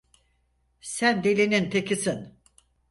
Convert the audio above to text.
Sen delinin tekisin.